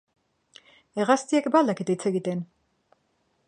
Hegaztiek ba al dakite hitz egiten?